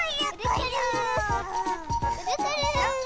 くるくるくる！